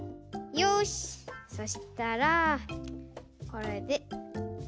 よしそしたらこれで。